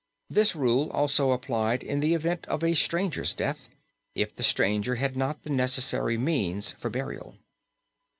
This rule also applied in the event of a stranger's death, if the stranger had not the necessary means for burial.